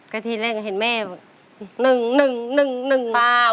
กระทีเล่นเห็นไหม